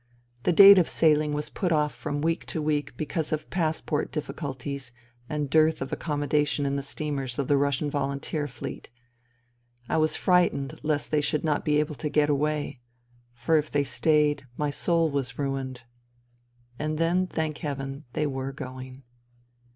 The date of sailing was put off from week to week because of passport difficulties and dearth of accommodation in the steamers of the Russian Volunteer Fleet. I was frightened lest they should not be able to get away. For if they stayed, my soul was ruined. And then, thank heaven, they were going.